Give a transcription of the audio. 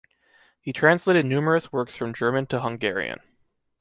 He translated numerous works from German to Hungarian.